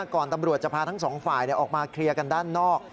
ตำรวจจะพาทั้งสองฝ่ายออกมาเคลียร์กันด้านนอก